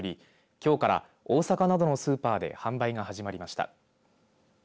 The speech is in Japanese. きょうから大阪などのスーパーで販売が始まりました。